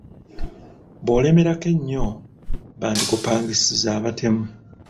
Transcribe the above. Bw’olemerako ennyo, bandikupangisiza abatemu.